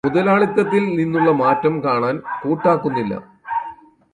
മുതലാളിത്തത്തിൽ നിന്നുള്ള മാറ്റം കാണാൻ കൂട്ടാക്കുന്നില്ല.